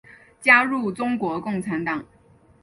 加入中国共产党。